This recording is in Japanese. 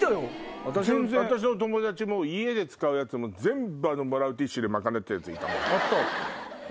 私の友達も家で使うやつ全部もらうティッシュで賄ってたヤツいたもん。